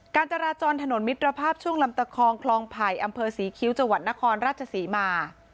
การจราจรถนนมิตรภาพช่วงลำตะคองคลองไผ่อำเภอศรีคิ้วจังหวัดนครราชศรีมา